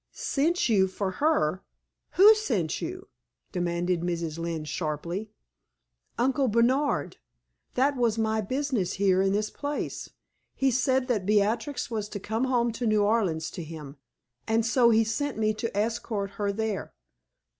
"Sent you for her? Who sent you?" demanded Mrs. Lynne sharply. "Uncle Bernard. That was my business here in this place. He said that Beatrix was to come home to New Orleans to him, and so he sent me to escort her there.